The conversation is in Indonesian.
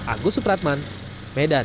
agus supratman medan